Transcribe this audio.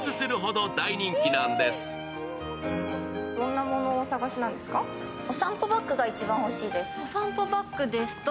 どんなものをお探しなんですか？